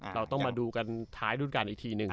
เราต้องมาดูกันท้ายรุ่นการอีกทีหนึ่ง